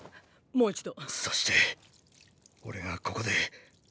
もう一度。